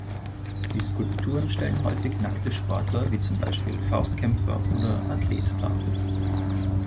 Die Skulpturen stellen häufig nackte Sportler wie zum Beispiel „Faustkämpfer“ oder „Athlet“ dar.